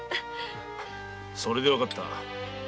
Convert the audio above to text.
それでわかった。